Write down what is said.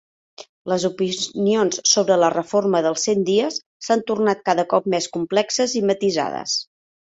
Les opinions sobre la Reforma dels Cent Dies s'han tornat cada cop més complexes i matisades.